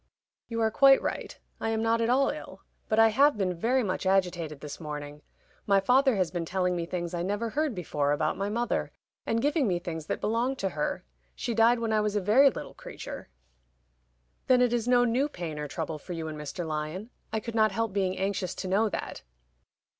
"You are quite right. I am not at all ill. But I have been very much agitated this morning. My father has been telling me things I never heard before about my mother, and giving me things that belonged to her. She died when I was a very little creature." "Then it is no new pain or trouble for you and Mr. Lyon? I could not help being anxious to know that."